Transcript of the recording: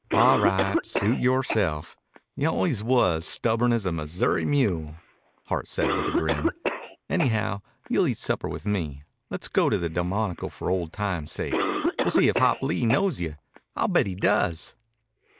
"All right. Suit yoreself. You always was stubborn as a Missouri mule," Hart said with a grin. "Anyhow, you'll eat supper with me. Le's go to the Delmonico for ol' times' sake. We'll see if Hop Lee knows you. I'll bet he does."